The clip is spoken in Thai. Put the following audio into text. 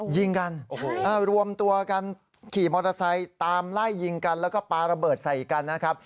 ยิงกันรวมตัวกันขี่มอเตอร์ไซค์ตามไล่ยิงกันแล้วก็ปลาระเบิดใส่กันนะครับ